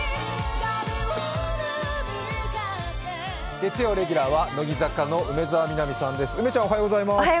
月曜レギュラーは乃木坂の梅澤美波さんです。